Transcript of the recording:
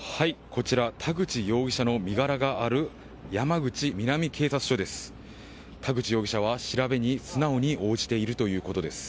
こちら田口容疑者の身柄がある山口南警察署です。